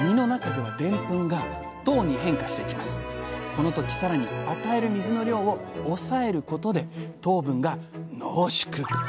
この時さらに与える水の量を抑えることで糖分が濃縮。